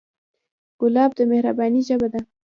ګلاب د مهربانۍ ژبه ده.